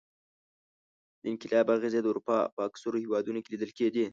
د انقلاب اغېزې د اروپا په اکثرو هېوادونو کې لیدل کېدې.